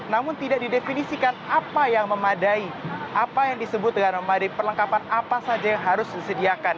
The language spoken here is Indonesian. namun tidak didefinisikan apa yang memadai apa yang disebut dengan memadai perlengkapan apa saja yang harus disediakan